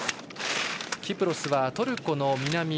キプロスはトルコの南。